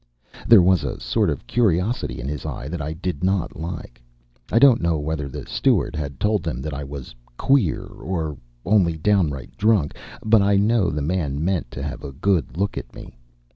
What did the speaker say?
There was a sort of curiosity in his eye that I did not like. I don't know whether the steward had told them that I was "queer" only, or downright drunk, but I know the man meant to have a good look at me.